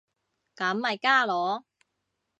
咁咪加囉